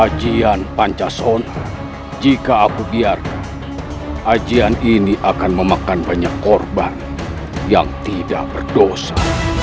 ajian pancasona jika aku biarkan ajian ini akan memakan banyak korban yang tidak berdosa